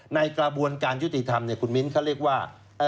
ในกระบวนการยุติธรรมคุณมิ้นเขาเรียกว่า